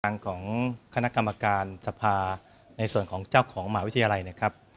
ตั้งของคณะกรรมการสภาในส่วนของเจ้าของของหมาวิจิไล่